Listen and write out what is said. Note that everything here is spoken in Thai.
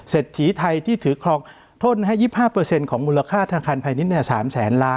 ถีไทยที่ถือครองท่นให้๒๕ของมูลค่าธนาคารพาณิชย์๓แสนล้าน